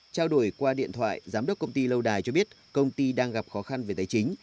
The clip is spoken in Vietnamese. trao đổi qua điện thoại giám đốc công ty lâu đài cho biết công ty đang gặp khó khăn về tài chính